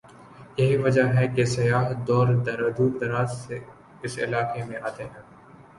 یہی وجہ ہے کہ سیاح دور دراز سے اس علاقے میں آتے ہیں ۔